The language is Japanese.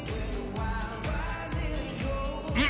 うん？